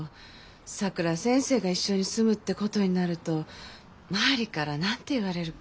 さくら先生が一緒に住むってことになると周りから何て言われるか。